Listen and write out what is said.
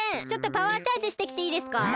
ちょっとパワーチャージしてきていいですか？